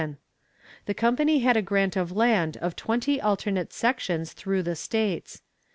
The company had a grant of land of twenty alternate sections through the states.